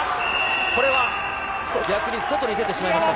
これは逆に外に出てしまいました